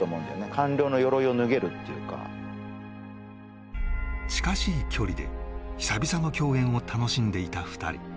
官僚のよろいを脱げるっていうか近しい距離で久々の共演を楽しんでいた２人